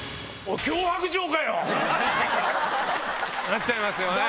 なっちゃいますよね？